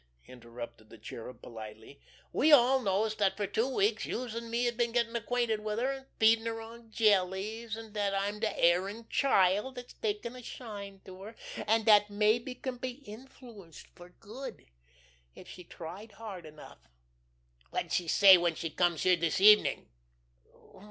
interrupted the Cherub politely. "We all knows dat fer two weeks youse an' me has been gettin' acquainted wid her, an' feedin' on her jellies, an' dat I'm de errin' child dat's taken a shine to her an' dat mabbe can be influenced fer good—if she tried hard enough. Wot did she say when she comes here dis evening?"